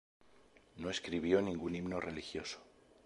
No escribió ningún himno religioso.